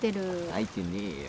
泣いてねえよ。